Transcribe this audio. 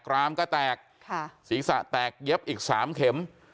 รามก็แตกศีรษะแตกเย็บอีก๓เข็ม